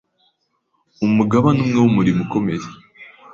umugabane umwe w’umurimo ukomeye